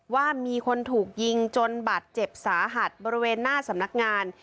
ว่ามีคนถูกยิงจนบาดเจ็บสาหัสบริเวณหน้าสำนักงาน